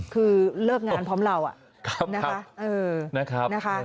คือเลิกงานพร้อมเรานะคะ